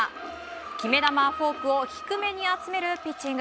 決め球フォークを低めに集めるピッチング。